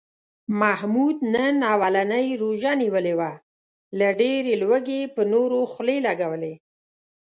محمود نن اولنۍ روژه نیولې وه، له ډېرې لوږې یې په نورو خولې لږولې.